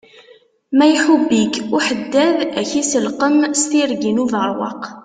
Ma iḥubb-ik uḥeddad, ak iselqem s tirgin ubeṛwaq.